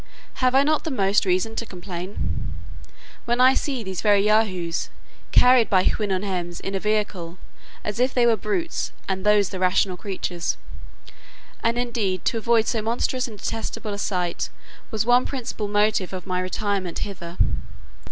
Have not I the most reason to complain, when I see these very Yahoos carried by Houyhnhnms in a vehicle, as if they were brutes, and those the rational creatures? And indeed to avoid so monstrous and detestable a sight was one principal motive of my retirement hither.